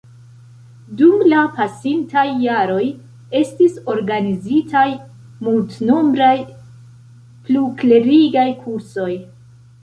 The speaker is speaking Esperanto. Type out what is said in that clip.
Dum la pasintaj jaroj estis organizitaj multnombraj pluklerigaj kursoj.